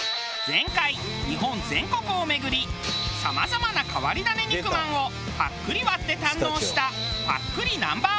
前回日本全国を巡りさまざまな変わり種肉まんをぱっくり割って堪能したぱっくりＮｏ．１。